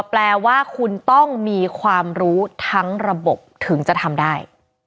แปลว่าคุณต้องมีความรู้ทั้งระบบถึงจะทำได้